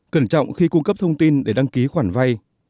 cẩn trọng khi cung cấp thông tin để đăng ký khoản vay